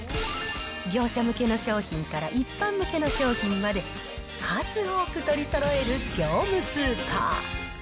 業者向けの商品から一般向けの商品まで、数多く取りそろえる業務スーパー。